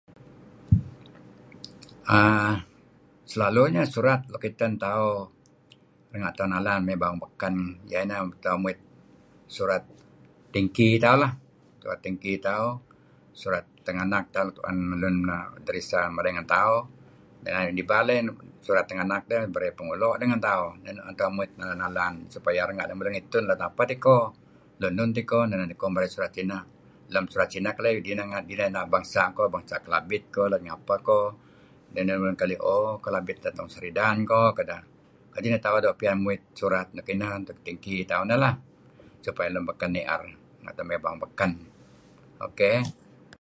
Aaa... selalu nya surat luk iten tauh renga' tauh nalan mey bawang beken ieh inen tauh muit surat tingki tauh lah, surat tingki tauh, surat tenganak tauh luk tu'en lun deresa merey ngen tauh... Ngen ideh ibal dih surat tenganak berey pengulo' idih ngen tau. Ineh neh tu'en tauh muit nalan-nalan supaya renga' lemulun ngitun let ngapeh diko, lun enun tiko, neh niko merey surat sineh. Lem surat sineh idih neh nga... bangsa ko. Bangsa' Kelabit ko. Let ngapeh diko. Neh neh lemulun keli'o. Let Long Seridan ko kedeh. Kadi' neh tauh doo' muit surat nuk ineh, tingki tauh supaya lemulun kereb ni'er dih nga' tauh mey ngih bawang beken. Okay.